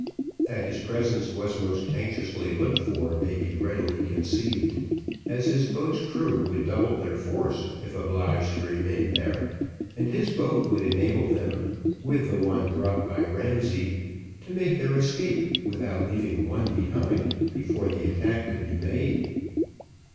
That his presence was most anxiously looked for may be readily conceived, as his boat's crew would double their force if obliged to remain there; and his boat would enable them, with the one brought by Ramsay, to make their escape without leaving one behind, before the attack could be made.